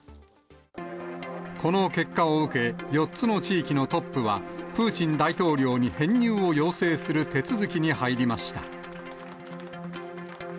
この結果を受け、４つの地域のトップは、プーチン大統領に編入を要請する手続きに入りました。